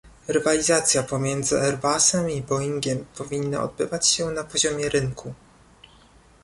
Rywalizacja pomiędzy Airbusem i Boeingiem powinna odbywać się na poziomie rynku